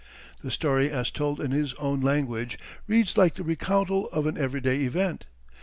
The story as told in his own language reads like the recountal of an everyday event.